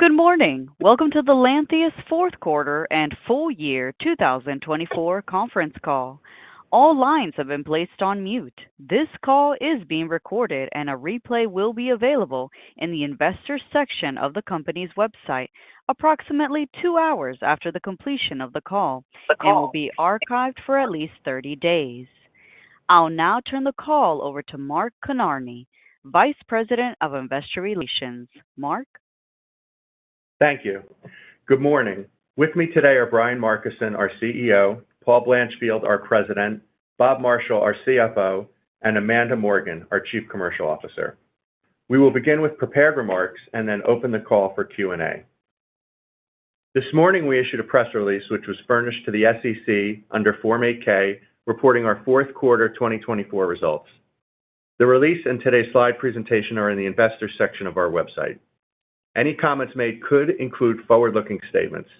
Good morning. Welcome to the Lantheus fourth quarter and full year 2024 conference call. All lines have been placed on mute. This call is being recorded, and a replay will be available in the investor section of the company's website approximately two hours after the completion of the call. The call. And will be archived for at least 30 days. I'll now turn the call over to Mark Kinarney, Vice President of Investor Relations. Mark? Thank you. Good morning. With me today are Brian Markison, our CEO; Paul Blanchfield, our President; Bob Marshall, our CFO; and Amanda Morgan, our Chief Commercial Officer. We will begin with prepared remarks and then open the call for Q&A. This morning, we issued a press release which was furnished to the SEC under Form 8-K, reporting our fourth quarter 2024 results. The release and today's slide presentation are in the investor section of our website. Any comments made could include forward-looking statements.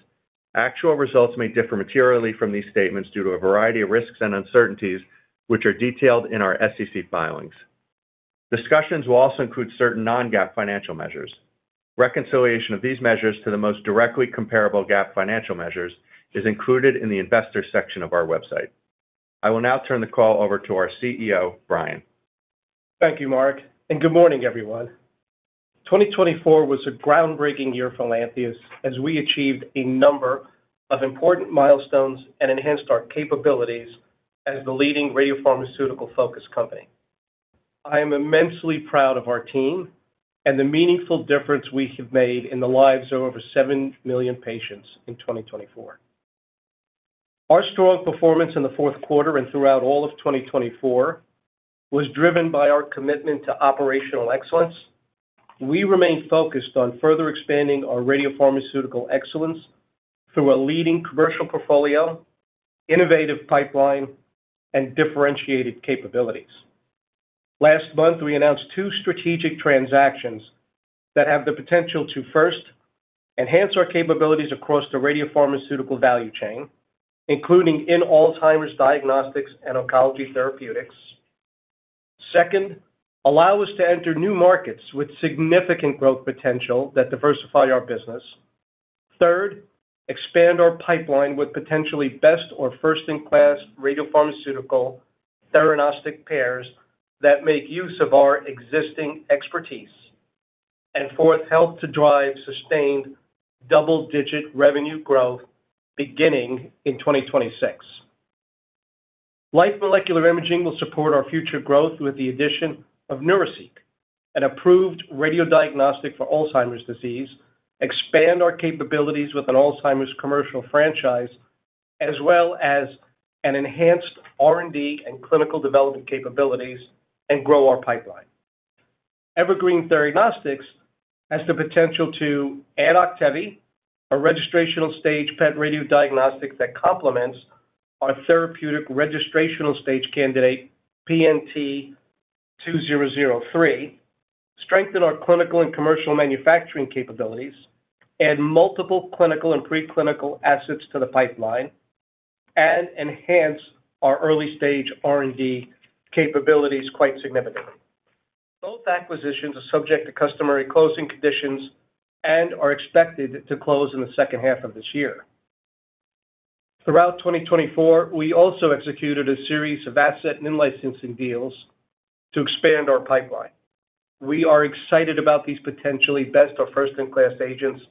Actual results may differ materially from these statements due to a variety of risks and uncertainties, which are detailed in our SEC filings. Discussions will also include certain non-GAAP financial measures. Reconciliation of these measures to the most directly comparable GAAP financial measures is included in the investor section of our website. I will now turn the call over to our CEO, Brian. Thank you, Mark, and good morning, everyone. 2024 was a groundbreaking year for Lantheus as we achieved a number of important milestones and enhanced our capabilities as the leading radiopharmaceutical-focused company. I am immensely proud of our team and the meaningful difference we have made in the lives of over seven million patients in 2024. Our strong performance in the fourth quarter and throughout all of 2024 was driven by our commitment to operational excellence. We remain focused on further expanding our radiopharmaceutical excellence through a leading commercial portfolio, innovative pipeline, and differentiated capabilities. Last month, we announced two strategic transactions that have the potential to first enhance our capabilities across the radiopharmaceutical value chain, including in Alzheimer's diagnostics and oncology therapeutics. Second, allow us to enter new markets with significant growth potential that diversify our business. Third, expand our pipeline with potentially best or first-in-class radiopharmaceutical theranostic pairs that make use of our existing expertise. And fourth, help to drive sustained double-digit revenue growth beginning in 2026. Life Molecular Imaging will support our future growth with the addition of Neuraceq, an approved Radio-diagnostic for Alzheimer's disease, expand our capabilities with an Alzheimer's commercial franchise, as well as enhance R&D and clinical development capabilities and grow our pipeline. Evergreen Theragnostics has the potential to add Octavi, a registrational stage PET radio diagnostic that complements our therapeutic registrational stage candidate, PNT2003, strengthen our clinical and commercial manufacturing capabilities, add multiple clinical and preclinical assets to the pipeline, and enhance our early-stage R&D capabilities quite significantly. Both acquisitions are subject to customary closing conditions and are expected to close in the second half of this year. Throughout 2024, we also executed a series of asset and licensing deals to expand our pipeline. We are excited about these potentially best or first-in-class agents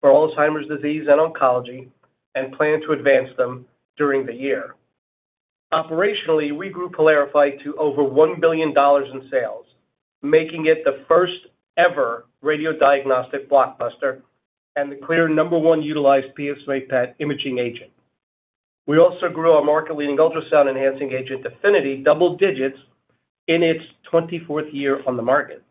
for Alzheimer's disease and oncology and plan to advance them during the year. Operationally, we grew Pylarify to over $1 billion in sales, making it the first-ever Radio-diagnostic blockbuster and the clear number one utilized PSMA PET imaging agent. We also grew our market-leading ultrasound-enhancing agent, Definity, double digits in its 24th year on the market.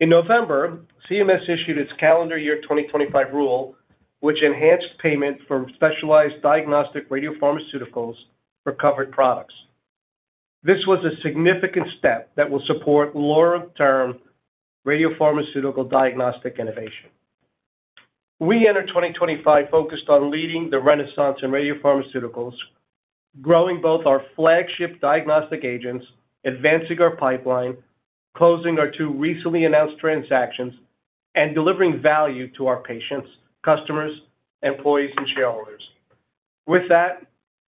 In November, CMS issued its calendar year 2025 rule, which enhanced payment for specialized diagnostic radiopharmaceuticals for covered products. This was a significant step that will support long-term radiopharmaceutical diagnostic innovation. We entered 2025 focused on leading the renaissance in radiopharmaceuticals, growing both our flagship diagnostic agents, advancing our pipeline, closing our two recently announced transactions, and delivering value to our patients, customers, employees, and shareholders. With that,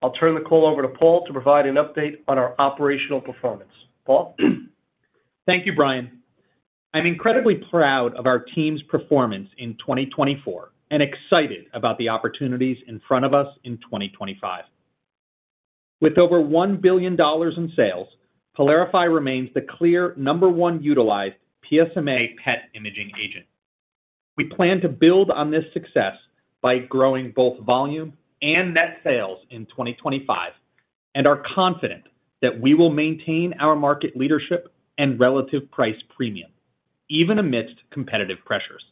I'll turn the call over to Paul to provide an update on our operational performance. Paul? Thank you, Brian. I'm incredibly proud of our team's performance in 2024 and excited about the opportunities in front of us in 2025. With over $1 billion in sales, Pylarify remains the clear number one utilized PSMA PET imaging agent. We plan to build on this success by growing both volume and net sales in 2025 and are confident that we will maintain our market leadership and relative price premium, even amidst competitive pressures.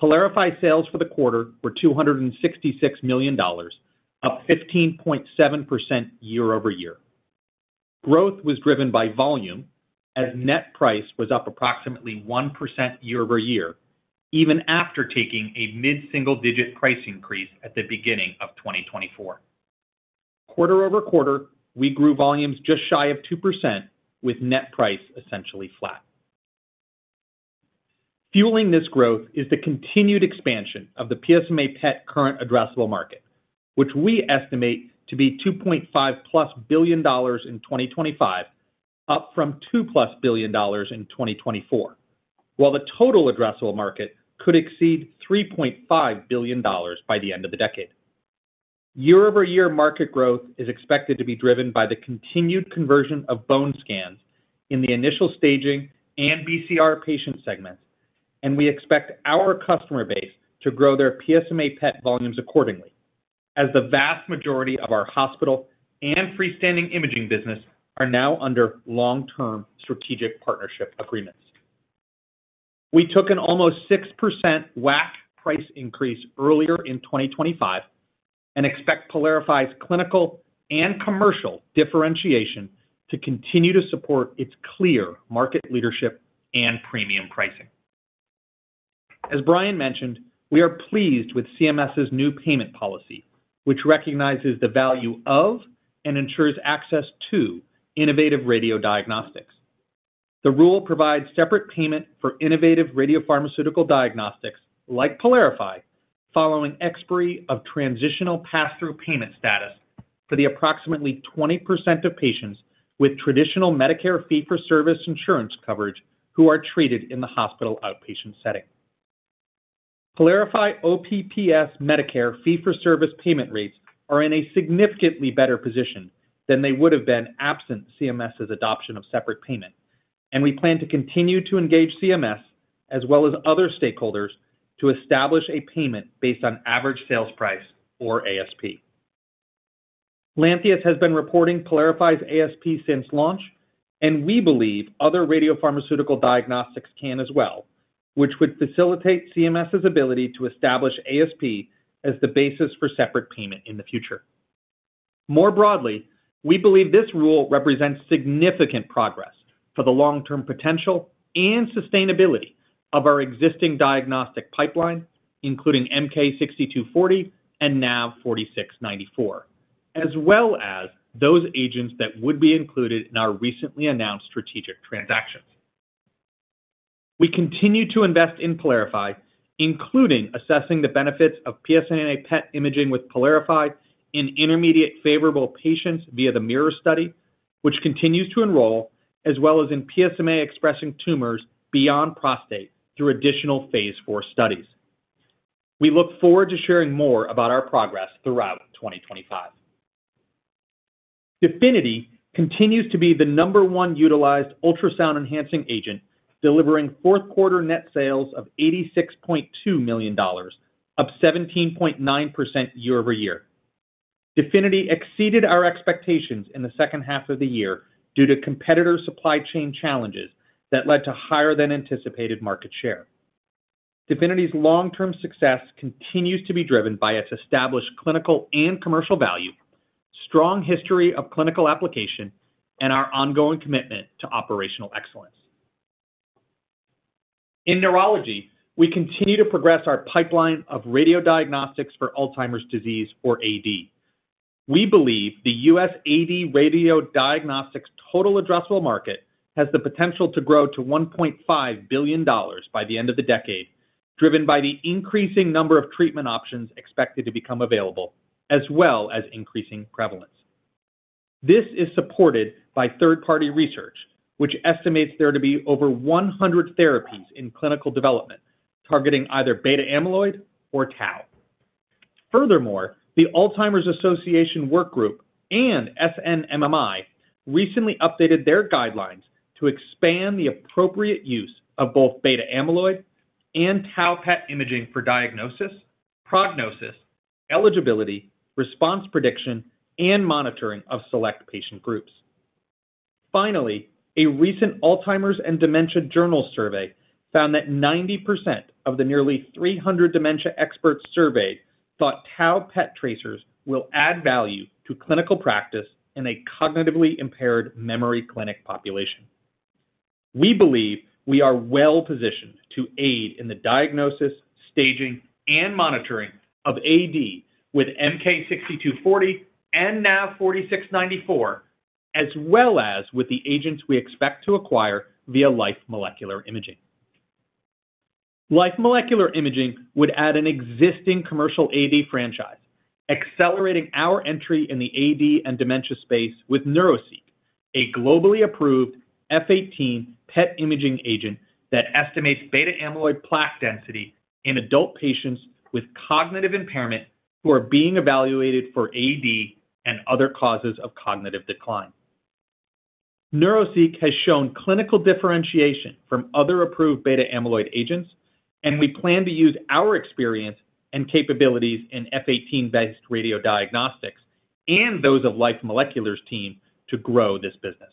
Pylarify's sales for the quarter were $266 million, up 15.7% year over year. Growth was driven by volume as net price was up approximately 1% year over year, even after taking a mid-single-digit price increase at the beginning of 2024. Quarter over quarter, we grew volumes just shy of 2%, with net price essentially flat. Fueling this growth is the continued expansion of the PSMA PET current addressable market, which we estimate to be $2.5 plus billion in 2025, up from $2 plus billion in 2024, while the total addressable market could exceed $3.5 billion by the end of the decade. Year-over-year market growth is expected to be driven by the continued conversion of bone scans in the initial staging and BCR patient segments, and we expect our customer base to grow their PSMA PET volumes accordingly, as the vast majority of our hospital and freestanding imaging business are now under long-term strategic partnership agreements. We took an almost 6% WAC price increase earlier in 2025 and expect Pylarify's clinical and commercial differentiation to continue to support its clear market leadership and premium pricing. As Brian mentioned, we are pleased with CMS's new payment policy, which recognizes the value of and ensures access to innovative radiodiagnostics. The rule provides separate payment for innovative radiopharmaceutical diagnostics like Pylarify following expiry of transitional pass-through payment status for the approximately 20% of patients with traditional Medicare fee-for-service insurance coverage who are treated in the hospital outpatient setting. Pylarify OPPS Medicare fee-for-service payment rates are in a significantly better position than they would have been absent CMS's adoption of separate payment, and we plan to continue to engage CMS as well as other stakeholders to establish a payment based on average sales price or ASP. Lantheus has been reporting Pylarify's ASP since launch, and we believe other radiopharmaceutical diagnostics can as well, which would facilitate CMS's ability to establish ASP as the basis for separate payment in the future. More broadly, we believe this rule represents significant progress for the long-term potential and sustainability of our existing diagnostic pipeline, including MK-6240 and NAV-4694, as well as those agents that would be included in our recently announced strategic transactions. We continue to invest in Pylarify, including assessing the benefits of PSMA PET imaging with Pylarify in Intermediate Favorable patients via the MIRA Study, which continues to enroll, as well as in PSMA-expressing tumors beyond prostate through additional Phase 4 studies. We look forward to sharing more about our progress throughout 2025. Definity continues to be the number one utilized ultrasound-enhancing agent, delivering fourth-quarter net sales of $86.2 million, up 17.9% year over year. Definity exceeded our expectations in the second half of the year due to competitor supply chain challenges that led to higher-than-anticipated market share. Definity's long-term success continues to be driven by its established clinical and commercial value, strong history of clinical application, and our ongoing commitment to operational excellence. In neurology, we continue to progress our pipeline of radiodiagnostics for Alzheimer's disease, or AD. We believe the U.S. AD radiodiagnostics total addressable market has the potential to grow to $1.5 billion by the end of the decade, driven by the increasing number of treatment options expected to become available, as well as increasing prevalence. This is supported by third-party research, which estimates there to be over 100 therapies in clinical development targeting either beta-amyloid or tau. Furthermore, the Alzheimer's Association workgroup and SNMMI recently updated their guidelines to expand the appropriate use of both beta-amyloid tau PET imaging for diagnosis, prognosis, eligibility, response prediction, and monitoring of select patient groups. Finally, a recent Alzheimer's and Dementia Journal survey found that 90% of the nearly 300 dementia experts surveyed tau PET tracers will add value to clinical practice in a cognitively impaired memory clinic population. We believe we are well-positioned to aid in the diagnosis, staging, and monitoring of AD with MK-6240 and NAV-4694, as well as with the agents we expect to acquire via Life Molecular Imaging. Life Molecular Imaging would add an existing commercial AD franchise, accelerating our entry in the AD and dementia space with Neuraceq, a globally approved F18 PET imaging agent that estimates beta-amyloid plaque density in adult patients with cognitive impairment who are being evaluated for AD and other causes of cognitive decline. Neuraceq has shown clinical differentiation from other approved beta-amyloid agents, and we plan to use our experience and capabilities in F18-based radiodiagnostics and those of Life Molecular's team to grow this business.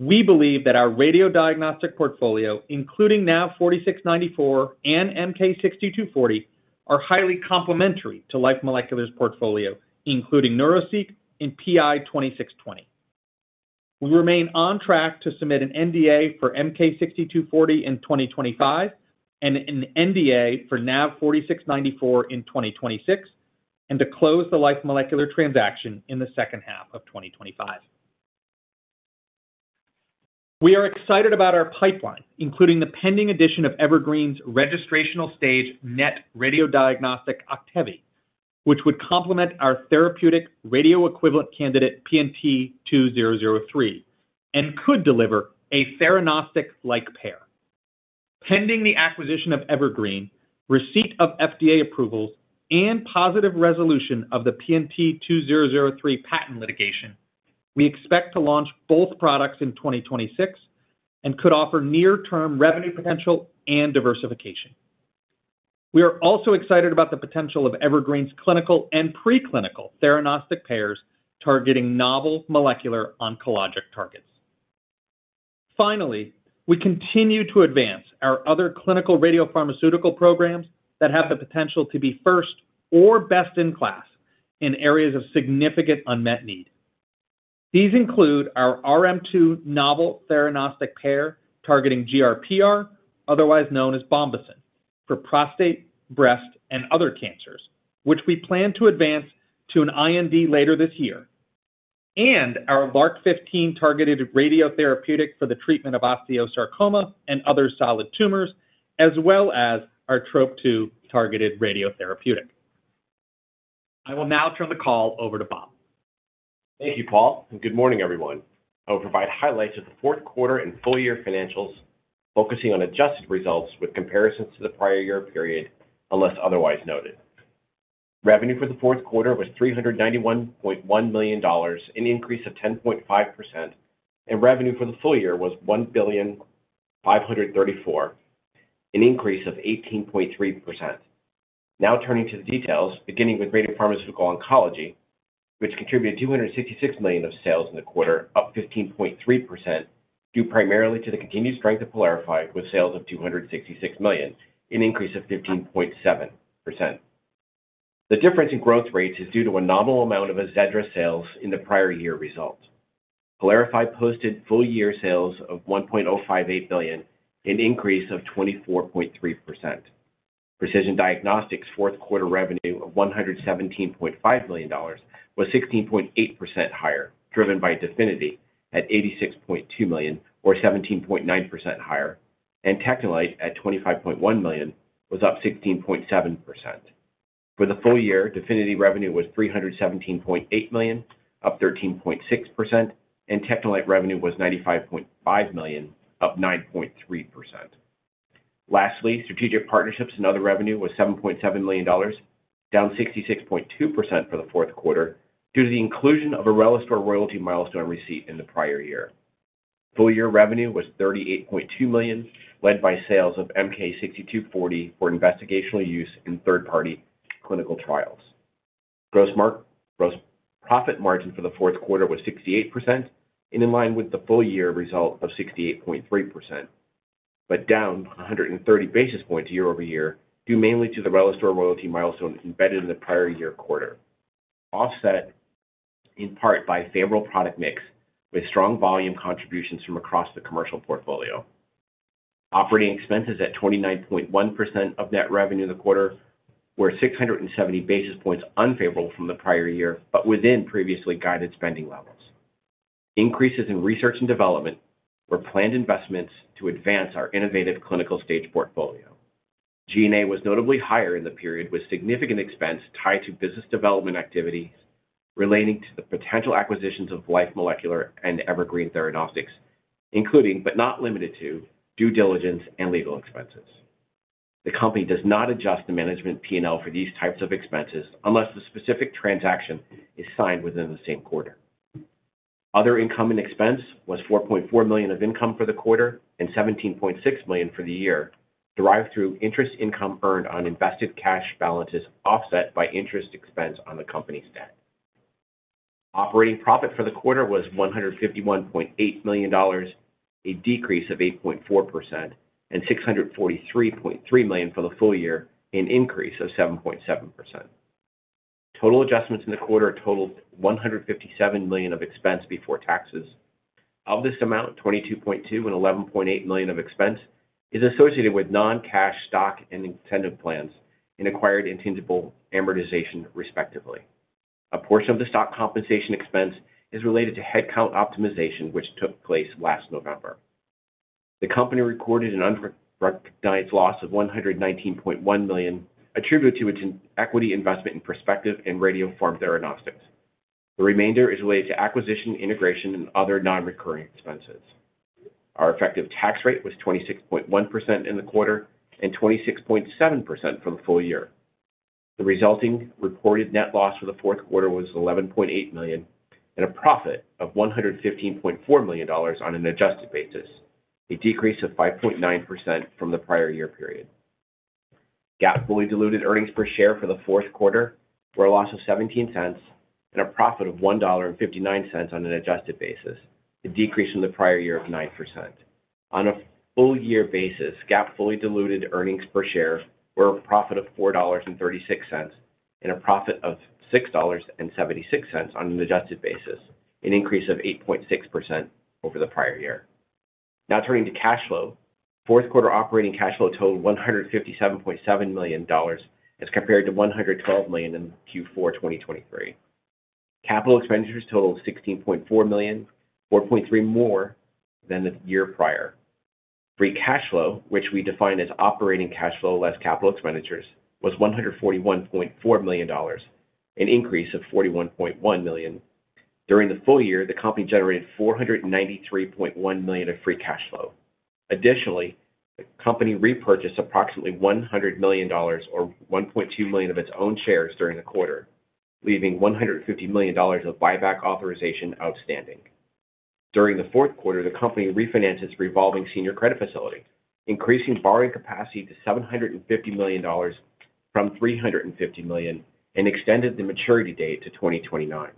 We believe that our Radio-diagnostic portfolio, including NAV-4694 and MK-6240, are highly complementary to Life Molecular's portfolio, including Neuraceq and PI-2620. We remain on track to submit an NDA for MK-6240 in 2025 and an NDA for NAV-4694 in 2026, and to close the Life Molecular transaction in the second half of 2025. We are excited about our pipeline, including the pending addition of Evergreen's registrational stage NET Radio-diagnostic Octavi, which would complement our therapeutic radio-equivalent candidate PNT2003 and could deliver a theranostic-like pair. Pending the acquisition of Evergreen, receipt of FDA approvals, and positive resolution of the PNT2003 patent litigation, we expect to launch both products in 2026 and could offer near-term revenue potential and diversification. We are also excited about the potential of Evergreen's clinical and preclinical theranostic pairs targeting novel molecular oncologic targets. Finally, we continue to advance our other clinical radiopharmaceutical programs that have the potential to be first or best in class in areas of significant unmet need. These include our RM2 novel theranostic pair targeting GRPR, otherwise known as Bombesin, for prostate, breast, and other cancers, which we plan to advance to an IND later this year, and our LRRC15 targeted radiotherapeutic for the treatment of osteosarcoma and other solid tumors, as well as our TROP2 targeted radiotherapeutic. I will now turn the call over to Bob. Thank you, Paul, and good morning, everyone. I will provide highlights of the fourth quarter and full-year financials, focusing on adjusted results with comparisons to the prior year period unless otherwise noted. Revenue for the fourth quarter was $391.1 million, an increase of 10.5%, and revenue for the full year was $1.534 billion, an increase of 18.3%. Now turning to the details, beginning with radiopharmaceutical oncology, which contributed $266 million of sales in the quarter, up 15.3%, due primarily to the continued strength of Pylarify with sales of $266 million, an increase of 15.7%. The difference in growth rates is due to a nominal amount of AZEDRA sales in the prior year result. Pylarify posted full-year sales of $1.058 billion, an increase of 24.3%. Precision Diagnostics' fourth quarter revenue of $117.5 million was 16.8% higher, driven by Definity at $86.2 million, or 17.9% higher, and TechneLite at $25.1 million was up 16.7%. For the full year, Definity revenue was $317.8 million, up 13.6%, and TechneLite revenue was $95.5 million, up 9.3%. Lastly, strategic partnerships and other revenue was $7.7 million, down 66.2% for the fourth quarter due to the inclusion of a RELISTOR royalty milestone receipt in the prior year. Full-year revenue was $38.2 million, led by sales of MK-6240 for investigational use in third-party clinical trials. Gross profit margin for the fourth quarter was 68%, in line with the full-year result of 68.3%, but down 130 basis points year over year, due mainly to the RELISTOR royalty milestone embedded in the prior year quarter, offset in part by favorable product mix with strong volume contributions from across the commercial portfolio. Operating expenses at 29.1% of net revenue in the quarter were 670 basis points unfavorable from the prior year, but within previously guided spending levels. Increases in research and development were planned investments to advance our innovative clinical stage portfolio. G&A was notably higher in the period, with significant expense tied to business development activities relating to the potential acquisitions of Life Molecular Imaging and Evergreen Theranostics, including, but not limited to, due diligence and legal expenses. The company does not adjust the management P&L for these types of expenses unless the specific transaction is signed within the same quarter. Other incoming expense was $4.4 million of income for the quarter and $17.6 million for the year, derived through interest income earned on invested cash balances offset by interest expense on the company's debt. Operating profit for the quarter was $151.8 million, a decrease of 8.4%, and $643.3 million for the full year, an increase of 7.7%. Total adjustments in the quarter totaled $157 million of expense before taxes. Of this amount, $22.2 and $11.8 million of expense is associated with non-cash stock and incentive plans and acquired intangible amortization, respectively. A portion of the stock compensation expense is related to headcount optimization, which took place last November. The company recorded an unrealized loss of $119.1 million attributed to its equity investment in Perspective and Radiopharm Theranostics. The remainder is related to acquisition, integration, and other non-recurring expenses. Our effective tax rate was 26.1% in the quarter and 26.7% for the full year. The resulting reported net loss for the fourth quarter was $11.8 million and a profit of $115.4 million on an adjusted basis, a decrease of 5.9% from the prior year period. GAAP fully diluted earnings per share for the fourth quarter were a loss of $0.17 and a profit of $1.59 on an adjusted basis, a decrease from the prior year of 9%. On a full-year basis, GAAP fully diluted earnings per share were a profit of $4.36 and a profit of $6.76 on an adjusted basis, an increase of 8.6% over the prior year. Now turning to cash flow, fourth quarter operating cash flow totaled $157.7 million as compared to $112 million in Q4 2023. Capital expenditures totaled $16.4 million, $4.3 million more than the year prior. Free cash flow, which we define as operating cash flow less capital expenditures, was $141.4 million, an increase of $41.1 million. During the full year, the company generated $493.1 million of free cash flow. Additionally, the company repurchased approximately $100 million, or $1.2 million, of its own shares during the quarter, leaving $150 million of buyback authorization outstanding. During the fourth quarter, the company refinanced its revolving senior credit facility, increasing borrowing capacity to $750 million from $350 million and extended the maturity date to 2029,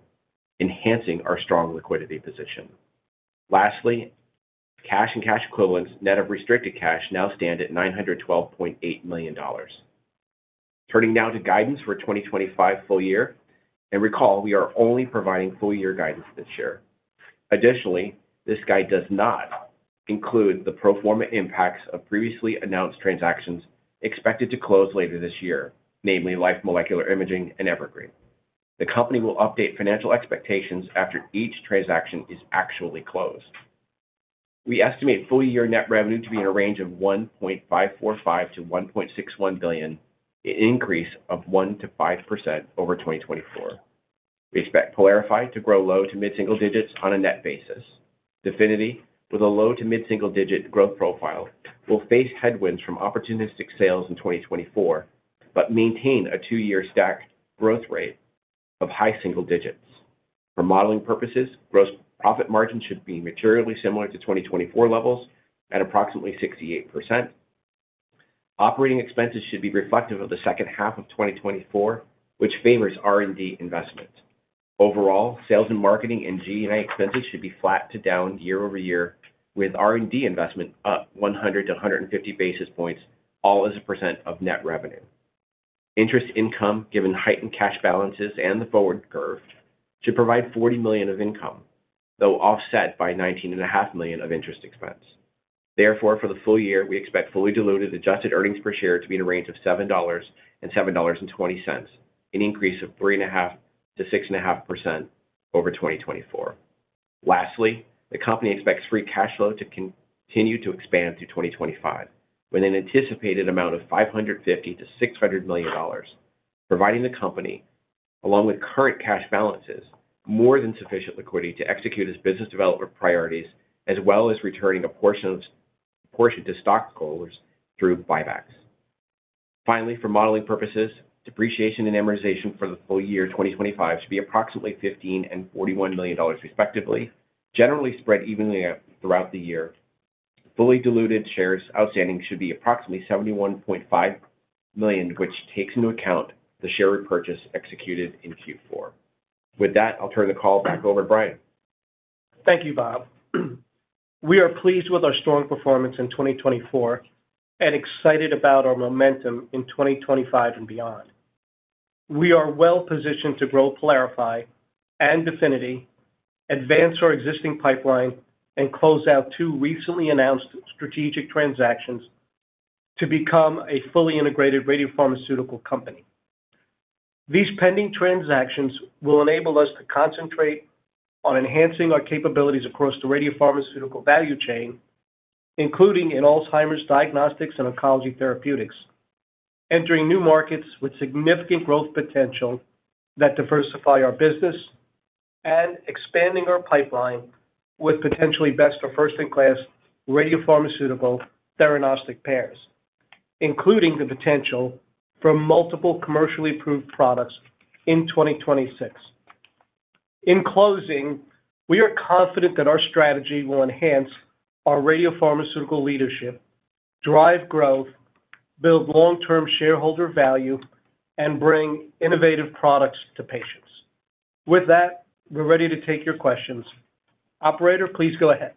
enhancing our strong liquidity position. Lastly, cash and cash equivalents net of restricted cash now stand at $912.8 million. Turning now to guidance for 2025 full year, and recall we are only providing full-year guidance this year. Additionally, this guide does not include the pro forma impacts of previously announced transactions expected to close later this year, namely Life Molecular Imaging and Evergreen. The company will update financial expectations after each transaction is actually closed. We estimate full-year net revenue to be in a range of $1.545 billion-$1.61 billion, an increase of 1%-5% over 2024. We expect Pylarify to grow low to mid-single digits on a net basis. Definity, with a low to mid-single digit growth profile, will face headwinds from opportunistic sales in 2024 but maintain a two-year stacked growth rate of high single digits. For modeling purposes, gross profit margin should be materially similar to 2024 levels at approximately 68%. Operating expenses should be reflective of the second half of 2024, which favors R&D investment. Overall, sales and marketing and G&A expenses should be flat to down year over year, with R&D investment up 100 to 150 basis points, all as a % of net revenue. Interest income, given heightened cash balances and the forward curve, should provide $40 million of income, though offset by $19.5 million of interest expense. Therefore, for the full year, we expect fully diluted adjusted earnings per share to be in a range of $7.00 and $7.20, an increase of 3.5% to 6.5% over 2024. Lastly, the company expects free cash flow to continue to expand through 2025 with an anticipated amount of $550 million to $600 million, providing the company, along with current cash balances, more than sufficient liquidity to execute its business development priorities, as well as returning a portion to stockholders through buybacks. Finally, for modeling purposes, depreciation and amortization for the full year 2025 should be approximately $15 million and $41 million, respectively, generally spread evenly throughout the year. Fully diluted shares outstanding should be approximately 71.5 million, which takes into account the share repurchase executed in Q4. With that, I'll turn the call back over to Brian. Thank you, Bob. We are pleased with our strong performance in 2024 and excited about our momentum in 2025 and beyond. We are well-positioned to grow Pylarify and Definity, advance our existing pipeline, and close out two recently announced strategic transactions to become a fully integrated radiopharmaceutical company. These pending transactions will enable us to concentrate on enhancing our capabilities across the radiopharmaceutical value chain, including in Alzheimer's diagnostics and oncology therapeutics, entering new markets with significant growth potential that diversify our business and expanding our pipeline with potentially best-of-first-in-class radiopharmaceutical theranostic pairs, including the potential for multiple commercially approved products in 2026. In closing, we are confident that our strategy will enhance our radiopharmaceutical leadership, drive growth, build long-term shareholder value, and bring innovative products to patients. With that, we're ready to take your questions. Operator, please go ahead.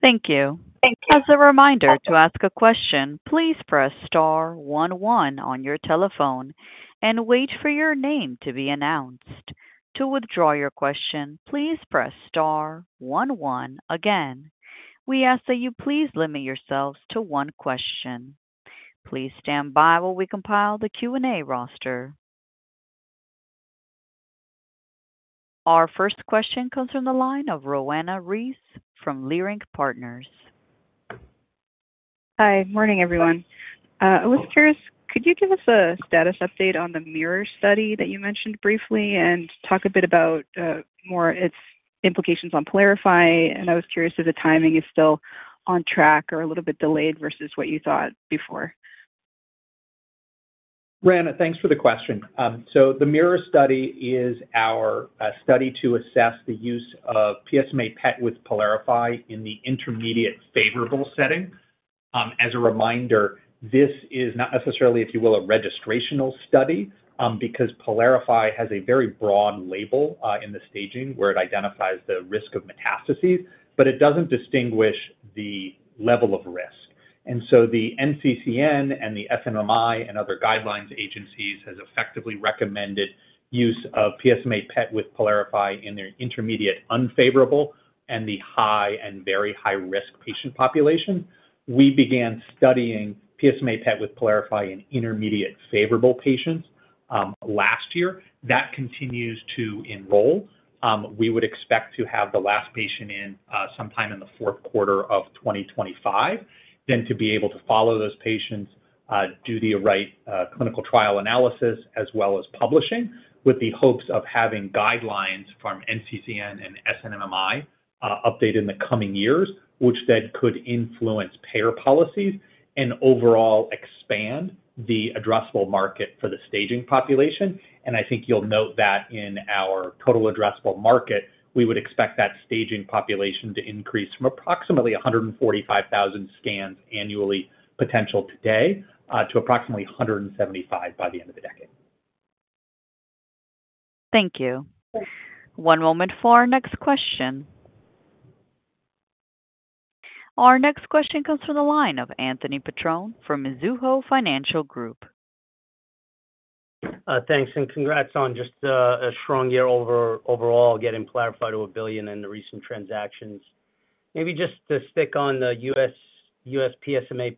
Thank you. As a reminder to ask a question, please press star one one on your telephone and wait for your name to be announced. To withdraw your question, please press star one one again. We ask that you please limit yourselves to one question. Please stand by while we compile the Q&A roster. Our first question comes from the line of Roanna Ruiz from Leerink Partners. Hi. Morning, everyone. I was curious, could you give us a status update on the MIRA Study that you mentioned briefly and talk a bit about more its implications on Pylarify? And I was curious if the timing is still on track or a little bit delayed versus what you thought before? Roanna, thanks for the question. So the MIRA study is our study to assess the use of PSMA PET with Pylarify in the intermediate favorable setting. As a reminder, this is not necessarily, if you will, a registrational study because Pylarify has a very broad label in the staging where it identifies the risk of metastases, but it doesn't distinguish the level of risk. And so the NCCN and the SNMMI and other guidelines agencies have effectively recommended use of PSMA PET with Pylarify in their intermediate unfavorable and the high and very high-risk patient population. We began studying PSMA PET with Pylarify in intermediate favorable patients last year. That continues to enroll. We would expect to have the last patient in sometime in the fourth quarter of 2025, then to be able to follow those patients, do the right clinical trial analysis, as well as publishing, with the hopes of having guidelines from NCCN and SNMMI updated in the coming years, which then could influence payer policies and overall expand the addressable market for the staging population. And I think you'll note that in our total addressable market, we would expect that staging population to increase from approximately 145,000 scans annually potential today to approximately 175 by the end of the decade. Thank you. One moment for our next question. Our next question comes from the line of Anthony Petrone from Mizuho Financial Group. Thanks. And congrats on just a strong year overall, getting Pylarify to $1 billion in the recent transactions. Maybe just to stick on the U.S. PSMA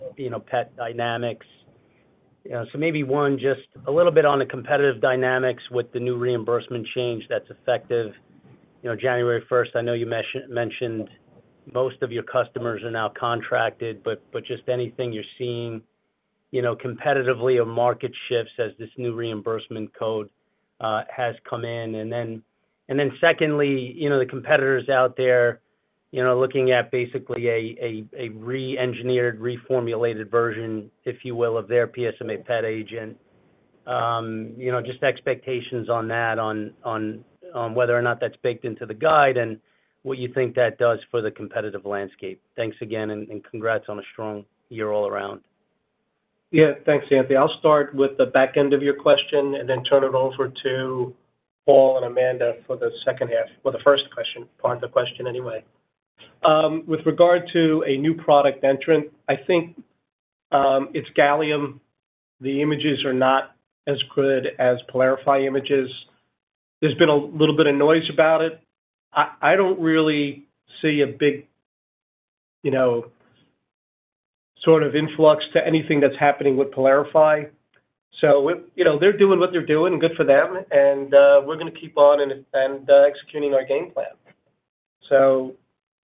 PET dynamics. So maybe one, just a little bit on the competitive dynamics with the new reimbursement change that's effective January 1st, I know you mentioned most of your customers are now contracted, but just anything you're seeing competitively or market shifts as this new reimbursement code has come in. And then secondly, the competitors out there looking at basically a re-engineered, reformulated version, if you will, of their PSMA PET agent. Just expectations on that, on whether or not that's baked into the guide and what you think that does for the competitive landscape. Thanks again, and congrats on a strong year all around. Yeah. Thanks, Anthony. I'll start with the back end of your question and then turn it over to Paul and Amanda for the second half, or the first question, part of the question anyway. With regard to a new product entrant, I think it's gallium. The images are not as good as Pylarify images. There's been a little bit of noise about it. I don't really see a big sort of influx to anything that's happening with Pylarify. So they're doing what they're doing, and good for them. And we're going to keep on executing our game plan. So,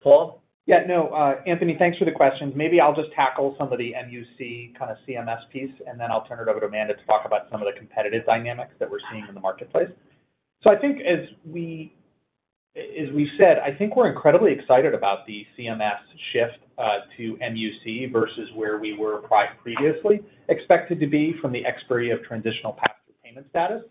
Paul? Yeah. No, Anthony, thanks for the questions. Maybe I'll just tackle some of the MUC kind of CMS piece, and then I'll turn it over to Amanda to talk about some of the competitive dynamics that we're seeing in the marketplace, so I think, as we've said, I think we're incredibly excited about the CMS shift to MUC versus where we were previously expected to be from the expiration of transitional pass-through payment status,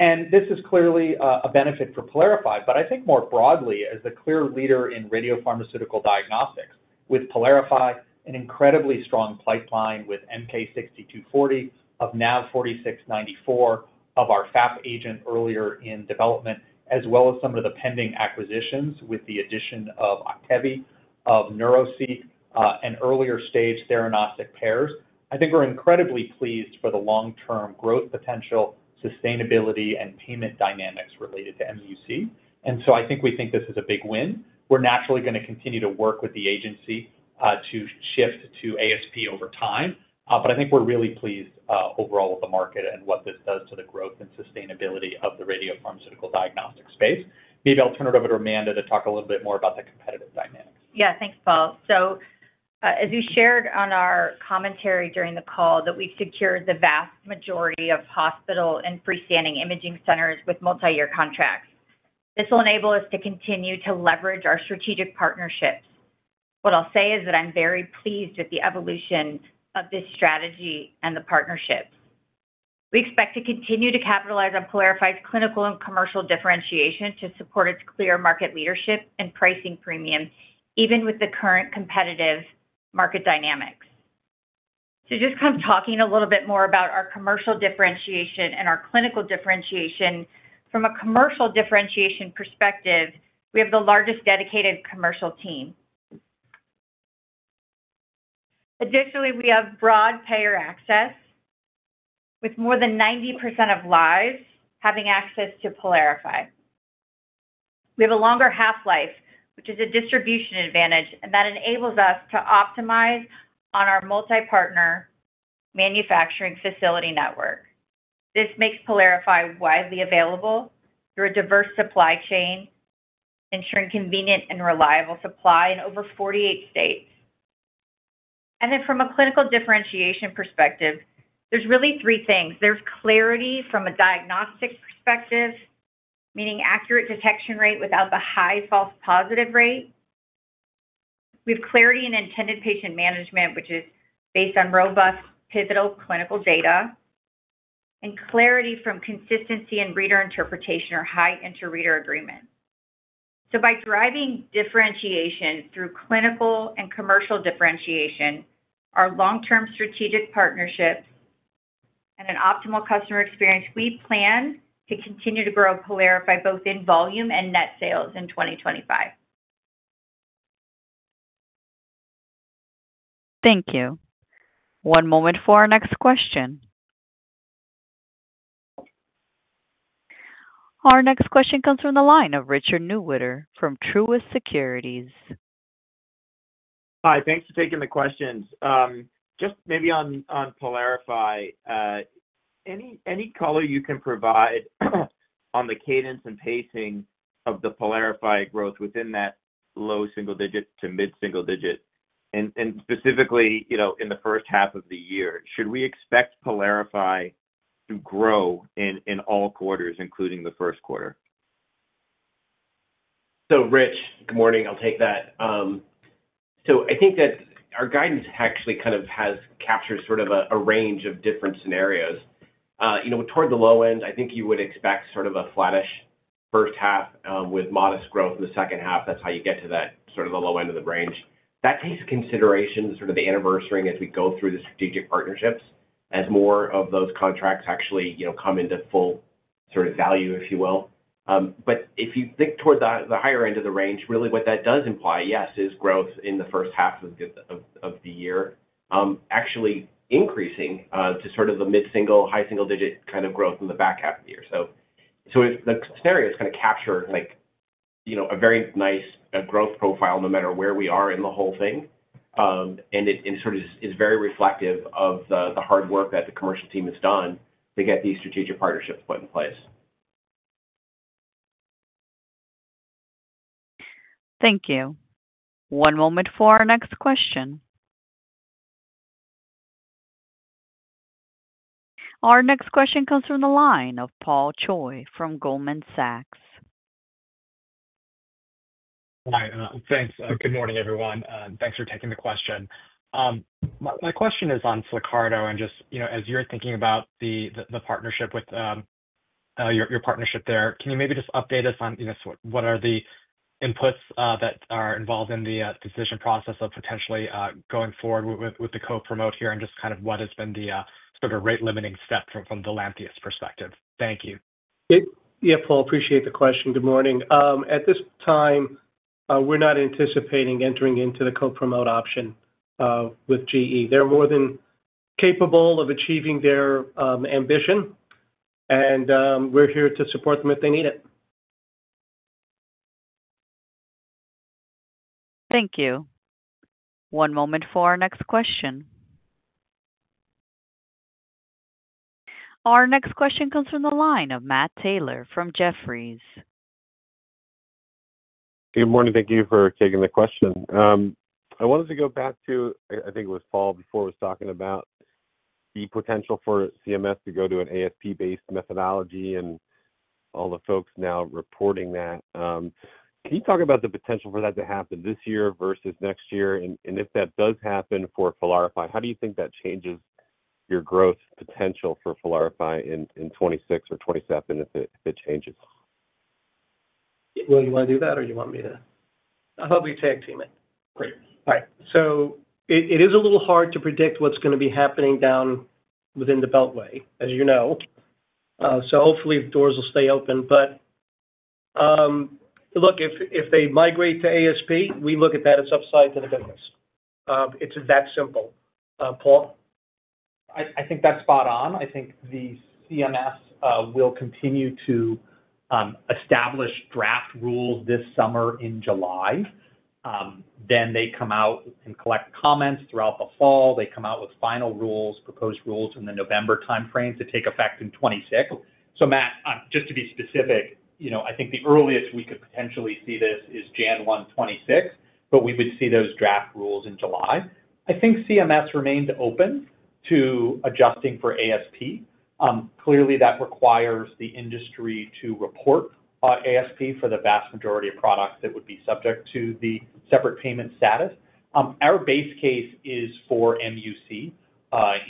and this is clearly a benefit for Pylarify, But I think more broadly, as the clear leader in radiopharmaceutical diagnostics with Pylarify, an incredibly strong pipeline with MK-6240 of NAV-4694 of our FAP agent earlier in development, as well as some of the pending acquisitions with the addition of Octavi of Neuraceq and earlier stage Theranostic pairs, I think we're incredibly pleased for the long-term growth potential, sustainability, and payment dynamics related to ASP. And so I think we think this is a big win. We're naturally going to continue to work with the agency to shift to ASP over time, but I think we're really pleased overall with the market and what this does to the growth and sustainability of the radiopharmaceutical diagnostic space. Maybe I'll turn it over to Amanda to talk a little bit more about the competitive dynamics. Yeah. Thanks, Paul. So as you shared on our commentary during the call, that we've secured the vast majority of hospital and freestanding imaging centers with multi-year contracts. This will enable us to continue to leverage our strategic partnerships. What I'll say is that I'm very pleased with the evolution of this strategy and the partnerships. We expect to continue to capitalize on Pylarify's clinical and commercial differentiation to support its clear market leadership and pricing premium, even with the current competitive market dynamics. To just kind of talking a little bit more about our commercial differentiation and our clinical differentiation, from a commercial differentiation perspective, we have the largest dedicated commercial team. Additionally, we have broad payer access with more than 90% of lives having access to Pylarify. We have a longer half-life, which is a distribution advantage, and that enables us to optimize on our multi-partner manufacturing facility network. This makes Pylarify widely available through a diverse supply chain, ensuring convenient and reliable supply in over 48 states, and then from a clinical differentiation perspective, there's really three things. There's clarity from a diagnostic perspective, meaning accurate detection rate without the high false positive rate. We have clarity in intended patient management, which is based on robust pivotal clinical data, and clarity from consistency in reader interpretation or high inter-reader agreement, so by driving differentiation through clinical and commercial differentiation, our long-term strategic partnerships, and an optimal customer experience, we plan to continue to grow Pylarify both in volume and net sales in 2025. Thank you. One moment for our next question. Our next question comes from the line of Richard Newitter from Truist Securities. Hi. Thanks for taking the questions. Just maybe on Pylarify, any color you can provide on the cadence and pacing of the Pylarify growth within that low single-digit to mid-single-digit, and specifically in the first half of the year, should we expect Pylarify to grow in all quarters, including the first quarter? Rich, good morning. I'll take that. I think that our guidance actually kind of has captured sort of a range of different scenarios. Toward the low end, I think you would expect sort of a flattish first half with modest growth in the second half. That's how you get to that sort of the low end of the range. That takes into consideration sort of the anniversary as we go through the strategic partnerships, as more of those contracts actually come into full sort of value, if you will. But if you think toward the higher end of the range, really what that does imply, yes, is growth in the first half of the year, actually increasing to sort of the mid-single, high single-digit kind of growth in the back half of the year. So the scenario is going to capture a very nice growth profile no matter where we are in the whole thing, and it sort of is very reflective of the hard work that the commercial team has done to get these strategic partnerships put in place. Thank you. One moment for our next question. Our next question comes from the line of Paul Choi from Goldman Sachs. Hi. Thanks. Good morning, everyone. Thanks for taking the question. My question is on Flyrcado and just as you're thinking about your partnership there, can you maybe just update us on what are the inputs that are involved in the decision process of potentially going forward with the co-promote here and just kind of what has been the sort of rate-limiting step from the Lantheus perspective? Thank you. Yeah, Paul, appreciate the question. Good morning. At this time, we're not anticipating entering into the co-promote option with GE. They're more than capable of achieving their ambition, and we're here to support them if they need it. Thank you. One moment for our next question. Our next question comes from the line of Matt Taylor from Jefferies. Good morning. Thank you for taking the question. I wanted to go back to, I think it was Paul before he was talking about the potential for CMS to go to an ASP-based methodology and all the folks now reporting that. Can you talk about the potential for that to happen this year versus next year? And if that does happen for Pylarify, how do you think that changes your growth potential for Pylarify in 2026 or 2027 if it changes? Will you want to do that, or do you want me to? I'll help you tag-team it. Great. All right. So it is a little hard to predict what's going to be happening down within the Beltway, as you know. So hopefully, doors will stay open. But look, if they migrate to ASP, we look at that as upside to the business. It's that simple. Paul? I think that's spot on. I think the CMS will continue to establish draft rules this summer in July. Then they come out and collect comments throughout the fall. They come out with final rules, proposed rules in the November timeframe to take effect in 2026. So Matt, just to be specific, I think the earliest we could potentially see this is January 1, 2026, but we would see those draft rules in July. I think CMS remains open to adjusting for ASP. Clearly, that requires the industry to report ASP for the vast majority of products that would be subject to the separate payment status. Our base case is for MUC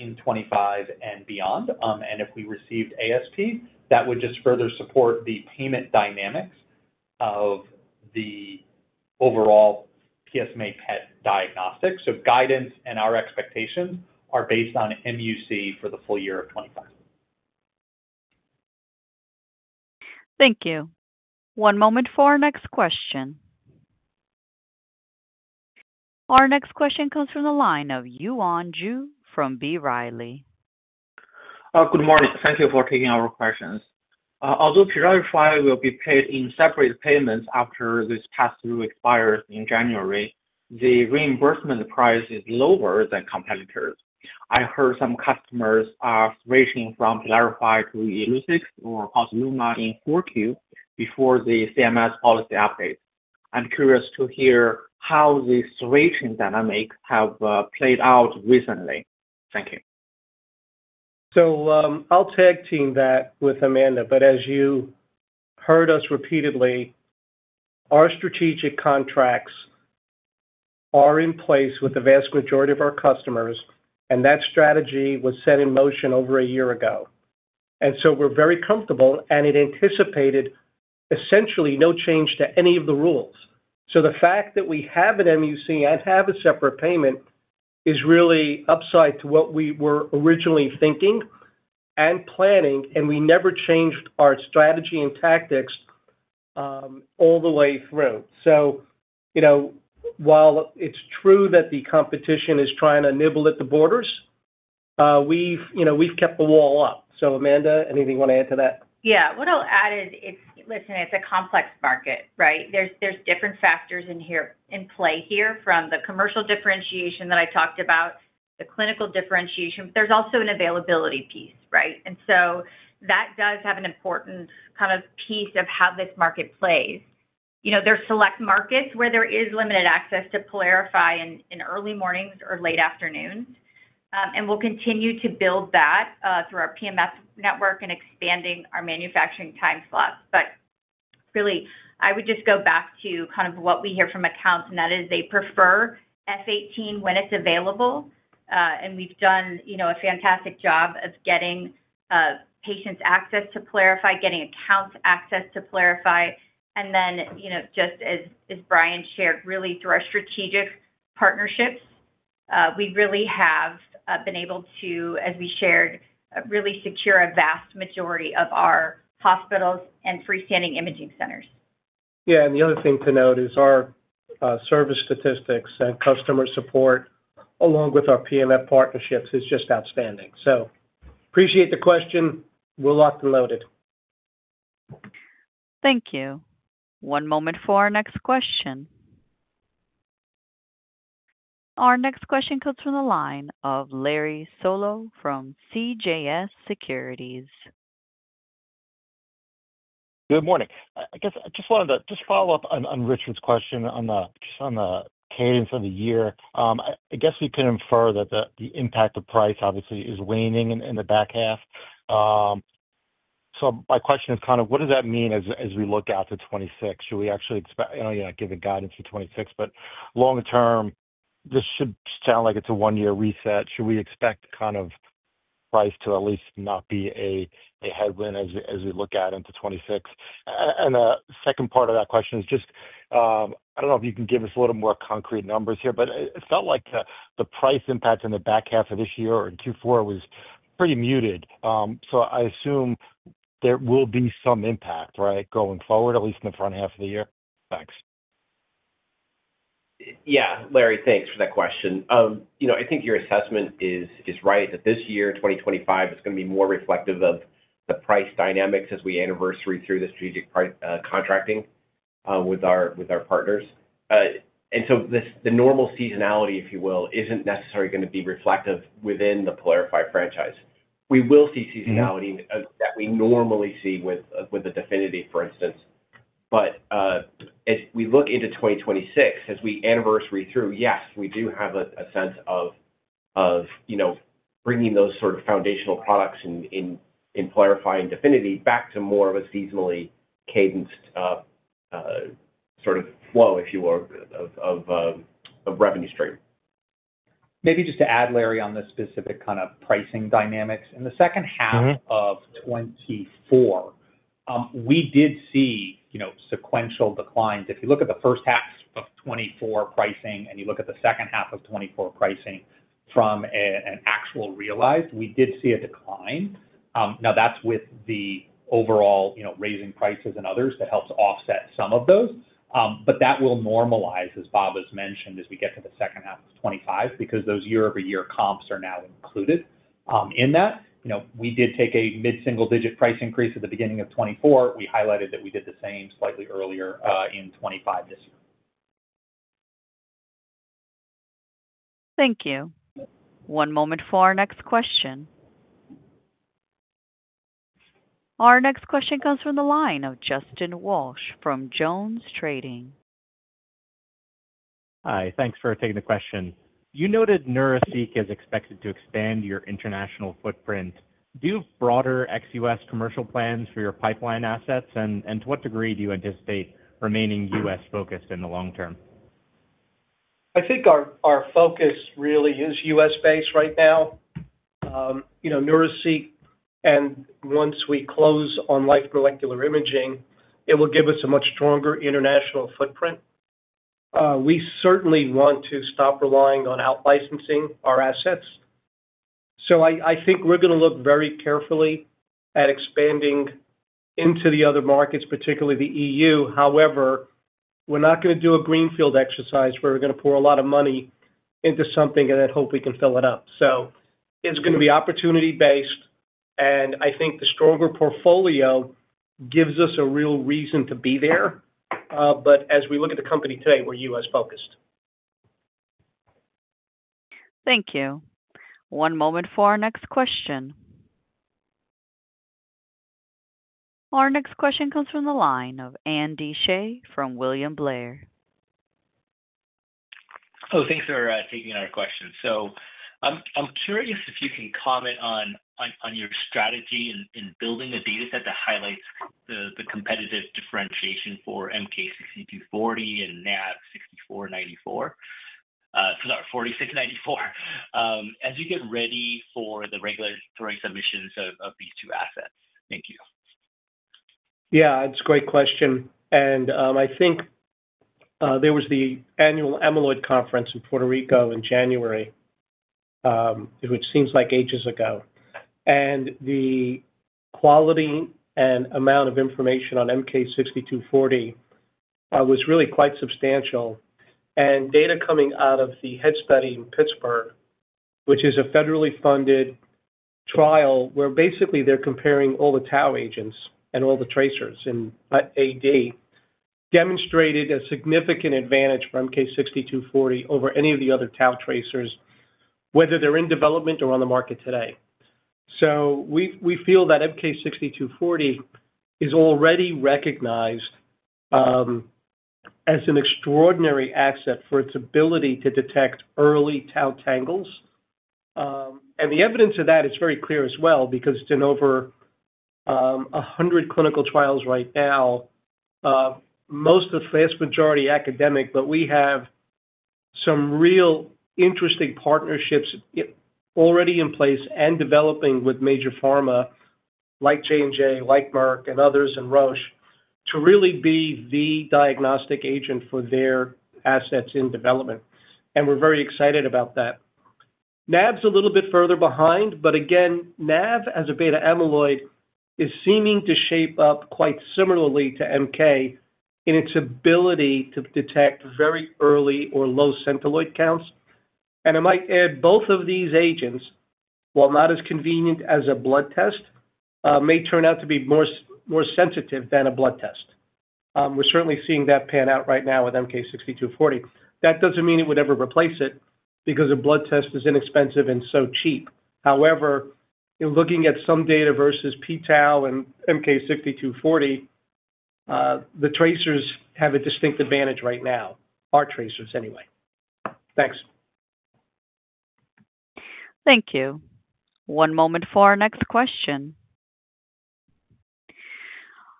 in 2025 and beyond. And if we received ASP, that would just further support the payment dynamics of the overall PSMA PET diagnostics. So guidance and our expectations are based on MUC for the full year of 2025. Thank you. One moment for our next question. Our next question comes from the line of Yuan Zhi from B. Riley. Good morning. Thank you for taking our questions. Although Pylarify will be paid in separate payments after this pass-through expires in January, the reimbursement price is lower than competitors. I heard some customers are switching from Pylarify to Illuccix and Posluma in 4Q before the CMS policy update. I'm curious to hear how the switching dynamics have played out recently. Thank you. So I'll tag-team that with Amanda. But as you heard us repeatedly, our strategic contracts are in place with the vast majority of our customers, and that strategy was set in motion over a year ago. And so we're very comfortable, and it anticipated essentially no change to any of the rules. So the fact that we have an MUC and have a separate payment is really upside to what we were originally thinking and planning, and we never changed our strategy and tactics all the way through. So while it's true that the competition is trying to nibble at the borders, we've kept the wall up. So Amanda, anything you want to add to that? Yeah. What I'll add is, listen, it's a complex market, right? There's different factors in play here from the commercial differentiation that I talked about, the clinical differentiation, but there's also an availability piece, right? And so that does have an important kind of piece of how this market plays. There are select markets where there is limited access to Pylarify in early mornings or late afternoons, and we'll continue to build that through our PMF network and expanding our manufacturing time slots. But really, I would just go back to kind of what we hear from accounts, and that is they prefer F18 when it's available. And we've done a fantastic job of getting patients access to Pylarify, getting accounts access to Pylarify. Then just as Brian shared, really through our strategic partnerships, we really have been able to, as we shared, really secure a vast majority of our hospitals and freestanding imaging centers. Yeah, and the other thing to note is our service statistics and customer support along with our PSMA partnerships is just outstanding. So I appreciate the question. We're locked and loaded. Thank you. One moment for our next question. Our next question comes from the line of Larry Solow from CJS Securities. Good morning. I guess I just wanted to just follow up on Richard's question on the cadence of the year. I guess we can infer that the impact of price obviously is waning in the back half. So my question is kind of what does that mean as we look out to 2026? Should we actually expect, given guidance for 2026, but longer term, this should sound like it's a one-year reset. Should we expect kind of price to at least not be a headwind as we look out into 2026? And the second part of that question is just I don't know if you can give us a little more concrete numbers here, but it felt like the price impact in the back half of this year or Q4 was pretty muted. So I assume there will be some impact, right, going forward, at least in the front half of the year. Thanks. Yeah. Larry, thanks for that question. I think your assessment is right that this year, 2025, is going to be more reflective of the price dynamics as we anniversary through the strategic contracting with our partners. And so the normal seasonality, if you will, isn't necessarily going to be reflective within the Pylarify franchise. We will see seasonality that we normally see with the Definity, for instance. But as we look into 2026, as we anniversary through, yes, we do have a sense of bringing those sort of foundational products in Pylarify and Definity back to more of a seasonally cadenced sort of flow, if you will, of revenue stream. Maybe just to add, Larry, on the specific kind of pricing dynamics. In the second half of 2024, we did see sequential declines. If you look at the first half of 2024 pricing and you look at the second half of 2024 pricing from an actual realized, we did see a decline. Now, that's with the overall raising prices and others that helps offset some of those. But that will normalize, as Bob has mentioned, as we get to the second half of 2025 because those year-over-year comps are now included in that. We did take a mid-single-digit price increase at the beginning of 2024. We highlighted that we did the same slightly earlier in 2025 this year. Thank you. One moment for our next question. Our next question comes from the line of Justin Walsh from Jones Trading. Hi. Thanks for taking the question. You noted Neuraceq is expected to expand your international footprint. Do you have broader ex-US commercial plans for your pipeline assets? And to what degree do you anticipate remaining US-focused in the long term? I think our focus really is U.S.-based right now. Neuraceq, and once we close on Life Molecular Imaging, it will give us a much stronger international footprint. We certainly want to stop relying on out-licensing our assets. So I think we're going to look very carefully at expanding into the other markets, particularly the EU. However, we're not going to do a greenfield exercise where we're going to pour a lot of money into something and then hope we can fill it up. So it's going to be opportunity-based, and I think the stronger portfolio gives us a real reason to be there. But as we look at the company today, we're U.S.-focused. Thank you. One moment for our next question. Our next question comes from the line of Andy Hsieh from William Blair. Oh, thanks for taking our question. So I'm curious if you can comment on your strategy in building a data set that highlights the competitive differentiation for MK-6240 and NAV-4694, as you get ready for the regulatory submissions of these two assets. Thank you. Yeah. It's a great question. And I think there was the annual Amyloid Conference in Puerto Rico in January, which seems like ages ago, and the quality and amount of information on MK-6240 was really quite substantial, and data coming out of the HEAD study in Pittsburgh, which is a federally funded trial where basically they're comparing all the tau agents and all the tracers in AD, demonstrated a significant advantage for MK-6240 over any of the other tau tracers, whether they're in development or on the market today, so we feel that MK-6240 is already recognized as an extraordinary asset for its ability to detect early tau tangles. The evidence of that is very clear as well because it's in over 100 clinical trials right now, most of the vast majority academic, but we have some real interesting partnerships already in place and developing with major pharma like J&J, like Merck, and others and Roche to really be the diagnostic agent for their assets in development. We're very excited about that. NAV's a little bit further behind, but again, NAV as a beta-amyloid is seeming to shape up quite similarly to MK in its ability to detect very early or low centiloid counts. I might add both of these agents, while not as convenient as a blood test, may turn out to be more sensitive than a blood test. We're certainly seeing that pan out right now with MK-6240. That doesn't mean it would ever replace it because a blood test is inexpensive and so cheap. However, looking at some data versus pTau and MK-6240, the tracers have a distinct advantage right now, our tracers anyway. Thanks. Thank you. One moment for our next question.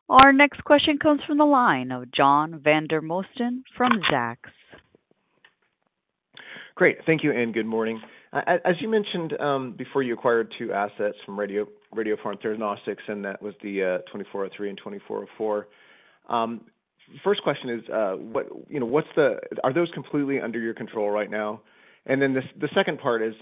Our next question comes from the line of John Vandermosten from Zacks. Great. Thank you and good morning. As you mentioned before, you acquired two assets from Radiopharm Theranostics, and that was the RAD 204 and RAD 402. First question is, are those completely under your control right now? And then the second part is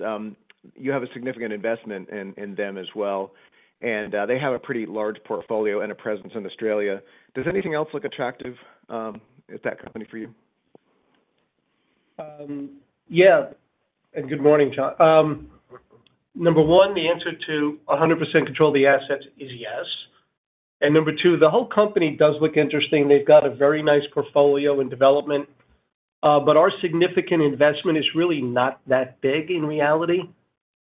you have a significant investment in them as well, and they have a pretty large portfolio and a presence in Australia. Does anything else look attractive at that company for you? Yeah, and good morning, John. Number one, the answer to 100% control of the assets is yes, and number two, the whole company does look interesting. They've got a very nice portfolio in development, but our significant investment is really not that big in reality.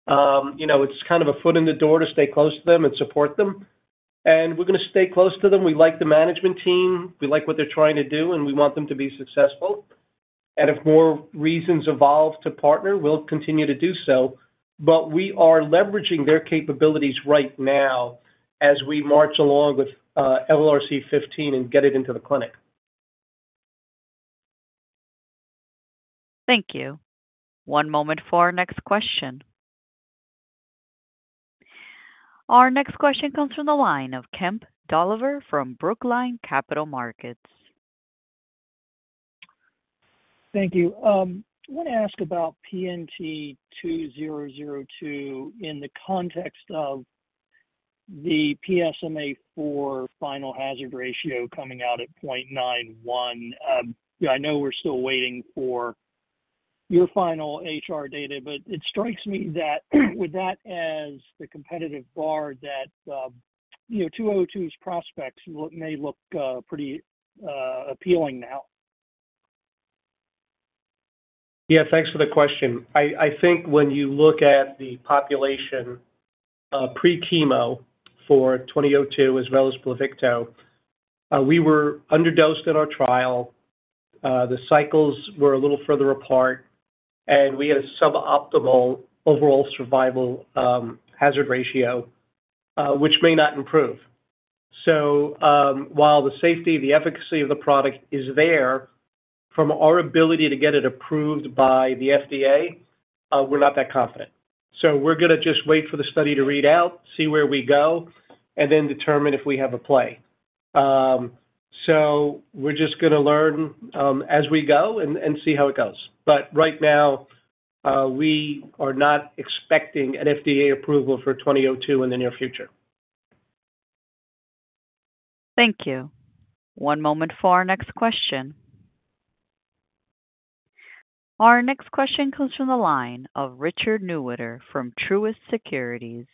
It's kind of a foot in the door to stay close to them and support them, and we're going to stay close to them. We like the management team. We like what they're trying to do, and we want them to be successful, and if more reasons evolve to partner, we'll continue to do so, but we are leveraging their capabilities right now as we march along with LRRC15 and get it into the clinic. Thank you. One moment for our next question. Our next question comes from the line of Kemp Dolliver from Brookline Capital Markets. Thank you. I want to ask about PNT2002 in the context of the PSMA4 final hazard ratio coming out at 0.91. I know we're still waiting for your final HR data, but it strikes me that with that as the competitive bar, that 202's prospects may look pretty appealing now. Yeah. Thanks for the question. I think when you look at the population pre-chemo for PNT2002 as well as Pluvicto, we were underdosed in our trial. The cycles were a little further apart, and we had a suboptimal overall survival hazard ratio, which may not improve. So while the safety, the efficacy of the product is there from our ability to get it approved by the FDA, we're not that confident. So we're going to just wait for the study to read out, see where we go, and then determine if we have a play. So we're just going to learn as we go and see how it goes. But right now, we are not expecting an FDA approval for PNT2002 in the near future. Thank you. One moment for our next question. Our next question comes from the line of Richard Newitter from Truist Securities.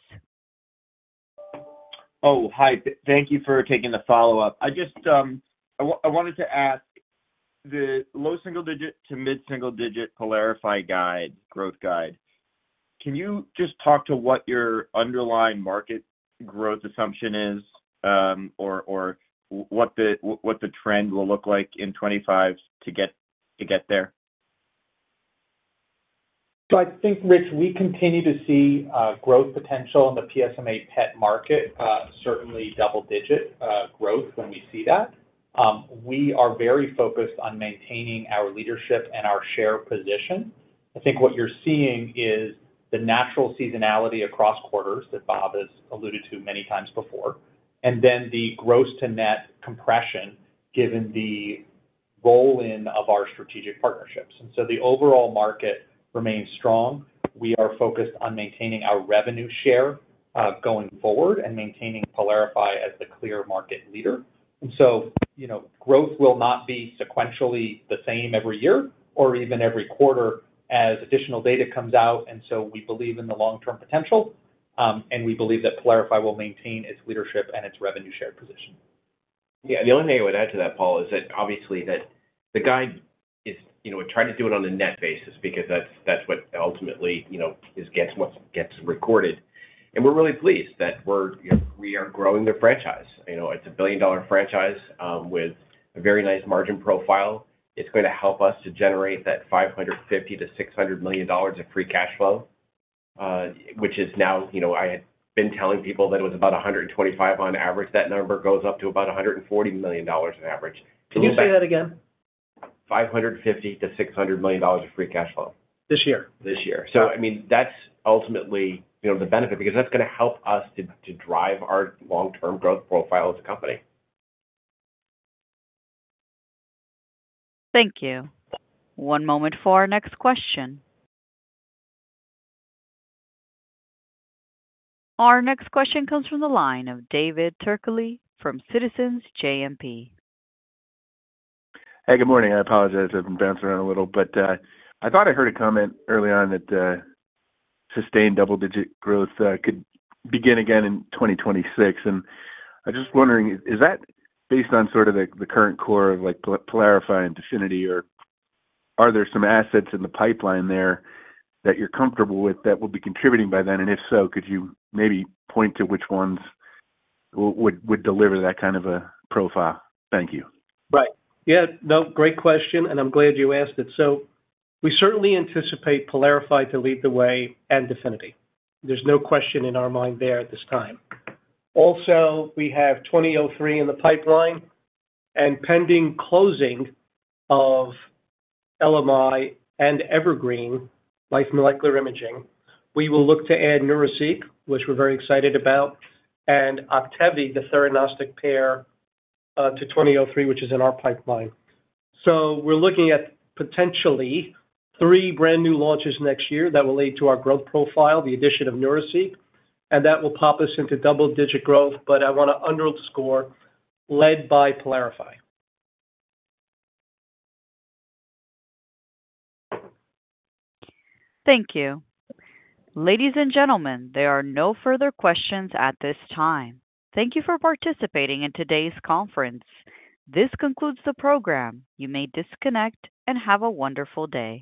Oh, hi. Thank you for taking the follow-up. I wanted to ask the low single-digit to mid-single-digit Pylarify growth guide. Can you just talk to what your underlying market growth assumption is or what the trend will look like in 2025 to get there? I think, Rich, we continue to see growth potential in the PSMA PET market, certainly double-digit growth when we see that. We are very focused on maintaining our leadership and our share position. I think what you're seeing is the natural seasonality across quarters that Bob has alluded to many times before, and then the gross-to-net compression given the rollout of our strategic partnerships. The overall market remains strong. We are focused on maintaining our revenue share going forward and maintaining Pylarify as the clear market leader. Growth will not be sequentially the same every year or even every quarter as additional data comes out. We believe in the long-term potential, and we believe that Pylarify will maintain its leadership and its revenue share position. Yeah. The only thing I would add to that, Paul, is that obviously that the guide is trying to do it on a net basis because that's what ultimately gets recorded. And we're really pleased that we are growing the franchise. It's a billion-dollar franchise with a very nice margin profile. It's going to help us to generate that $550-$600 million of free cash flow, which is now I had been telling people that it was about $125 on average. That number goes up to about $140 million on average. Can you say that again? $550-$600 million of free cash flow. This year. This year, so I mean, that's ultimately the benefit because that's going to help us to drive our long-term growth profile as a company. Thank you. One moment for our next question. Our next question comes from the line of David Turkaly from Citizens JMP. Hey, good morning. I apologize. I've been bouncing around a little, but I thought I heard a comment early on that sustained double-digit growth could begin again in 2026, and I'm just wondering, is that based on sort of the current core of Pylarify and Definity, or are there some assets in the pipeline there that you're comfortable with that will be contributing by then? and if so, could you maybe point to which ones would deliver that kind of a profile? Thank you. Right. Yeah. No, great question, and I'm glad you asked it. So we certainly anticipate Pylarify to lead the way and Definity. There's no question in our mind there at this time. Also, we have 2003 in the pipeline and pending closing of LMI and Evergreen, Life Molecular Imaging. We will look to add Neuraceq, which we're very excited about, and Octavi the theranostic pair to 2003, which is in our pipeline. So we're looking at potentially three brand new launches next year that will lead to our growth profile, the addition of Neuraceq, and that will pop us into double-digit growth. But I want to underscore led by Pylarify. Thank you. Ladies and gentlemen, there are no further questions at this time. Thank you for participating in today's conference. This concludes the program. You may disconnect and have a wonderful day.